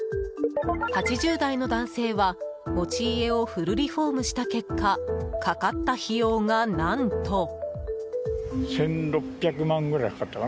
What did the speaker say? ８０代の男性は持ち家をフルリフォームした結果かかった費用が、何と。